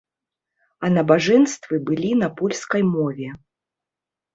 А набажэнствы былі на польскай мове.